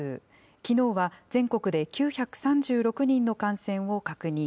きのうは全国で９３６人の感染を確認。